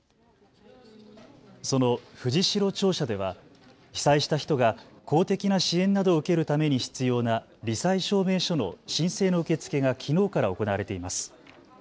その藤代庁舎では被災した人が公的な支援などを受けるために必要なり災証明書の申請の受け付けがきのうから行われています。